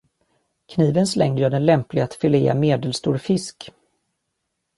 Knivens längd gör den lämplig att filéa medelstor fisk.